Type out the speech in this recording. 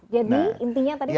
jadi intinya tadi pak kyai